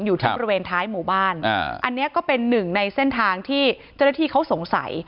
อยู่ที่บริเวณท้ายหมู่บ้านอันนี้ก็เป็นหนึ่งในเส้นทางที่เจ้าหน้าที่เขาสงสัย